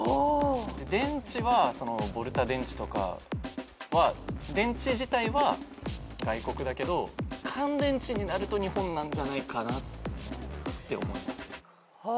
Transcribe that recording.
電池はボルタ電池とかは電池自体は外国だけど乾電池になると日本なんじゃないかなって思います。